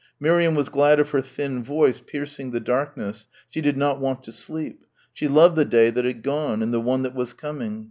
Miriam was glad of her thin voice piercing the darkness she did not want to sleep. She loved the day that had gone; and the one that was coming.